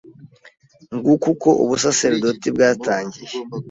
Nguko uko Ubusaseridoti bwatangiye